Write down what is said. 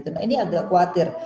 nah ini agak khawatir